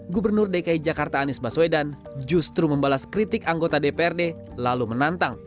gubernur dki jakarta anies baswedan justru membalas kritik anggota dprd lalu menantang